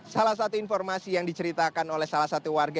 salah satu informasi yang diceritakan oleh salah satu warga